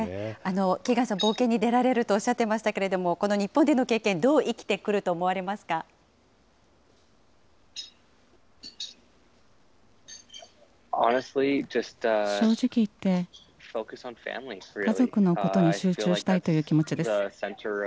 キーガンさん、冒険に出られるとおっしゃってましたけれども、この日本での経験、どう生きてくる正直言って、家族のことに集中したいという気持ちです。